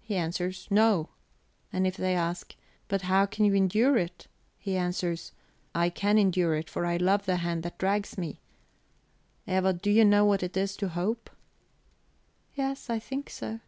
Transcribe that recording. he answers: 'No.' And if they ask: 'But how can you endure it?' he answers: 'I can endure it, for I love the hand that drags me.' Eva, do you know what it is to hope?" "Yes, I think so."